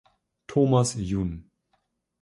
Thomas jun.